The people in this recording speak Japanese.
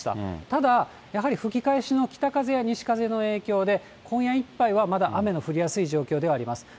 ただ、やはり吹き返しの北風や西風の影響で、今夜いっぱいはまだ雨の降りやすい状況ではあります。